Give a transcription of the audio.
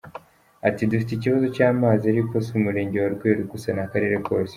Ati “Dufite ikibazo cy’amazi, ariko si Umurenge wa Rweru gusa ni Akarere kose.